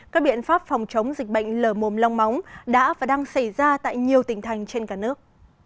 các biện pháp phòng chống dịch bệnh lở mồm long móng đã và đang xảy ra tại nhiều tỉnh thành trên cả nước